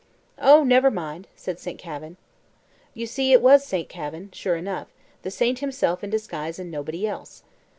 "Oh, never mind," says St. Kavin. You see it was Saint Kavin, sure enough the saint himself in disguise, and nobody else.